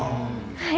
はい。